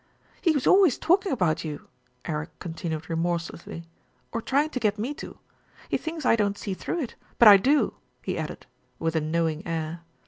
"He's always talking about you," Eric continued remorselessly, "or trying to get me to. He thinks I don't see through it; but I do," he added, with a know ing air.